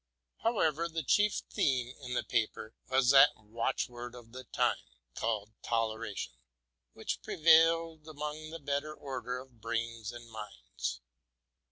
However, the chief theme in the paper was that watchword of the time, called '' Tolera tion,'' which prevailed among the better order of brains and minds.